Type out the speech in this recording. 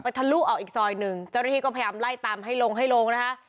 ทะลุออกอีกซอยหนึ่งเจ้าหน้าที่ก็พยายามไล่ตามให้ลงให้ลงนะคะ